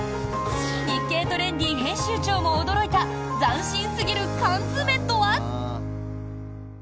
「日経トレンディ」編集長も驚いた斬新すぎる缶詰とは？